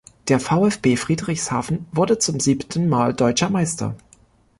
Der VfB Friedrichshafen wurde zum siebten Mal Deutscher Meister.